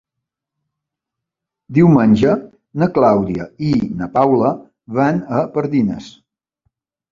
Diumenge na Clàudia i na Paula van a Pardines.